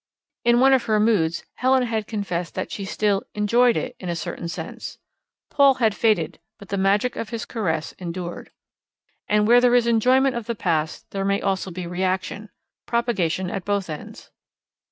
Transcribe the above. In one of her moods Helen had confessed that she still "enjoyed" it in a certain sense. Paul had faded, but the magic of his caress endured. And where there is enjoyment of the past there may also be reaction propagation at both ends.